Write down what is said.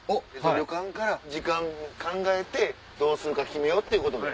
旅館から時間考えてどうするか決めようっていうことで。